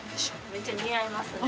めっちゃ似合いますね。